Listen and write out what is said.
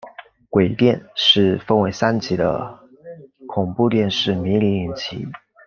鬼店是分成三集的恐怖电视迷你影集。